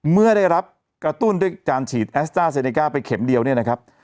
เมื่อได้รับกระตุ้นด้วยการฉีดแอสต้าเซเนก้าไปเข็มเดียวเนี่ยนะครับ